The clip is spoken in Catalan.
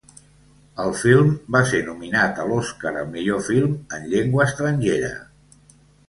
El film va ser nominat a l'Oscar al millor film en llengua estrangera.